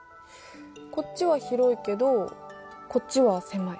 こっちは広いけどこっちは狭い。